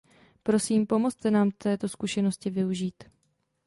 Prosím, pomozte nám této zkušenosti využít.